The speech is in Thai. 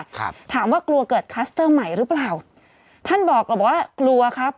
ครับถามว่ากลัวเกิดคลัสเตอร์ใหม่หรือเปล่าท่านบอกเราบอกว่ากลัวครับ